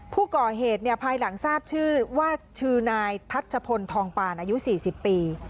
ผู้ก่อเหตุภายหลังทราบชื่อว่าชื่อนายทัชพลทองปานอายุ๔๐ปี